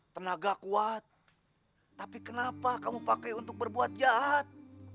tenaga kuat tapi kenapa kamu pakai untuk berbuat jahat